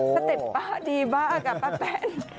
สเต็ปป้าดีมากกับป้าแป้น